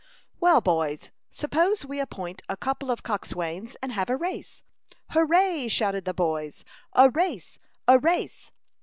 "Well, boys, suppose we appoint a couple of coxswains and have a race." "Hurrah!" shouted the boys. "A race! A race!"